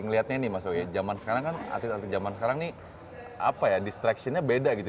ngelihatnya nih mas howie jaman sekarang kan arti arti jaman sekarang nih apa ya distractionnya beda gitu